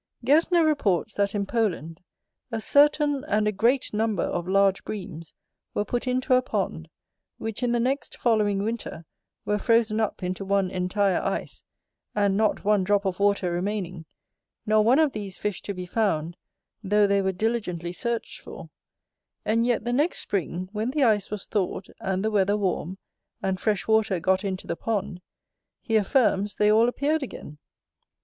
Gesner reports, that in Poland a certain and a great number of large breams were put into a pond, which in the next following winter were frozen up into one entire ice, and not one drop of water remaining, nor one of these fish to be found, though they were diligently searched for; and yet the next spring, when the ice was thawed, and the weather warm, and fresh water got into the pond, he affirms they all appeared again.